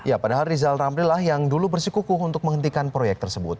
ya padahal rizal ramli lah yang dulu bersikukuh untuk menghentikan proyek tersebut